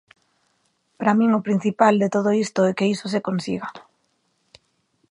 Para min o principal de todo isto é que iso se consiga.